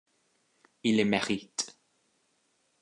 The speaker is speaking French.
Ils le méritent.